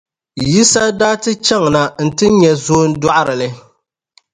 Yisa daa ti chaŋ na nti nya zoondɔɣirili.